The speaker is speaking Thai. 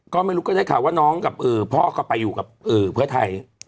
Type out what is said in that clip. ก็ไม่รู้ก็ได้ข่าวว่าน้องกับพ่อก็ไปอยู่กับเพื่อไทย